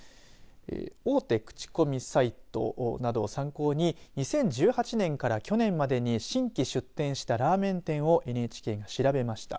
大手口コミサイトなどを参考に２０１８年から去年までに新規出店したラーメン店をＮＨＫが調べました。